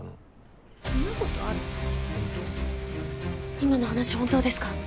今の話本当ですか！？